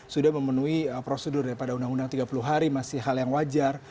sudah memenuhi prosedur daripada undang undang tiga puluh hari masih hal yang wajar